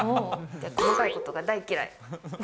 細かいことが大嫌い。